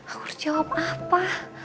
aku harus jawab apa